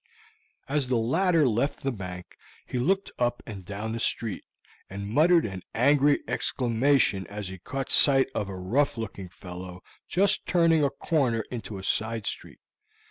As the latter left the bank he looked up and down the street, and muttered an angry exclamation as he caught sight of a rough looking fellow just turning a corner into a side street.